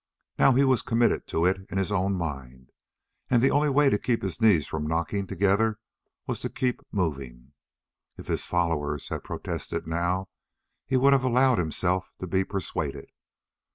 Now he was committed to it in his own mind, and the only way to keep his knees from knocking together was to keep moving. If his followers had protested now, he would have allowed himself to be persuaded.